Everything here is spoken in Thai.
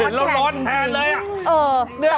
เห็นแล้วร้อนแทนเลยอะ